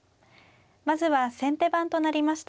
まずは先手番となりました